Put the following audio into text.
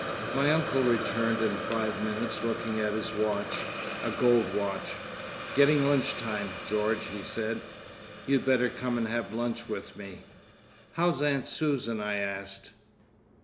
My uncle returned in five minutes looking at his watch—a gold watch—"Gettin' lunch time, George," he said. "You'd better come and have lunch with me!" "How's Aunt Susan?" I asked.